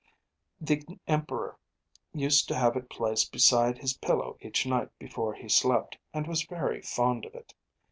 The Emperor used to have it placed beside his pillow each night before he slept, and was very fond of it.